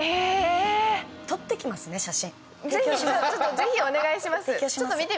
ぜひ、お願いします。